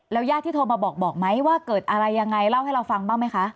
ญาติที่โทรมาบอกบอกไหมว่าเกิดอะไรยังไงเล่าให้เราฟังบ้างไหมคะ